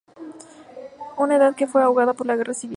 Una Edad que fue ahogada por la Guerra Civil.